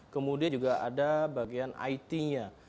kemudian juga ada bagian it nya